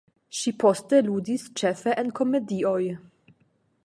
Ŝi poste ludis ĉefe en komedioj.